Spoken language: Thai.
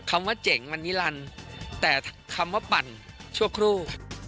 คำว่าเจ๋งมันนิรันดิ์แต่คำว่าปั่นชั่วครู่